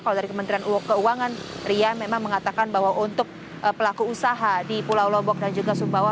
kalau dari kementerian keuangan rian memang mengatakan bahwa untuk pelaku usaha di pulau lombok dan juga sumbawa